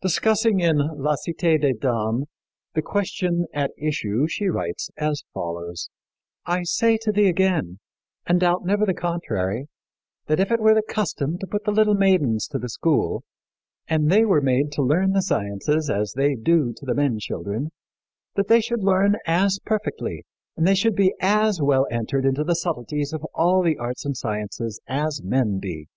Discussing in La Cité des Dames the question at issue she writes as follows: "I say to thee again, and doubt never the contrary, that if it were the custom to put the little maidens to the school, and they were made to learn the sciences as they do to the men children, that they should learn as perfectly, and they should be as well entered into the subtleties of all the arts and sciences as men be.